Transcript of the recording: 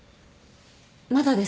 まだです。